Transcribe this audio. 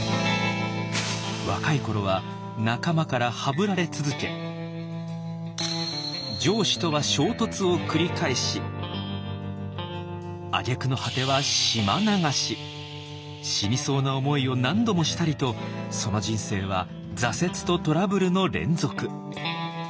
若い頃は仲間からハブられ続け上司とは衝突を繰り返しあげくの果ては死にそうな思いを何度もしたりとその人生は挫折とトラブルの連続。